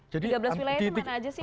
jadi tiga belas wilayah itu mana aja sih